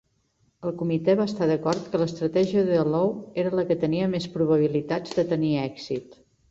El comitè va estar d'acord que l'estratègia de Lowe era la que tenia més probabilitats de tenir èxit.